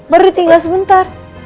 baru ditinggal sebentar